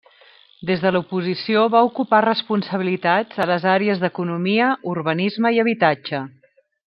Des de l'oposició va ocupar responsabilitats a les àrees d'Economia, Urbanisme i Habitatge.